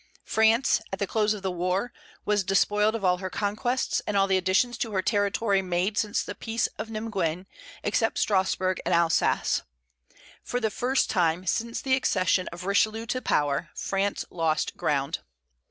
France, at the close of the war, was despoiled of all her conquests and all the additions to her territory made since the Peace of Nimeguen, except Strasburg and Alsace. For the first time since the accession of Richelieu to power, France lost ground.